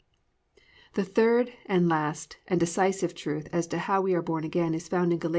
3. The third and last and decisive truth as to how we are born again is found in Gal.